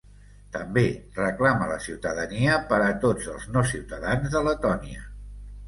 També reclama la ciutadania per a tots els no ciutadans de Letònia.